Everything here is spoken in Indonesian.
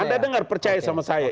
anda dengar percaya sama saya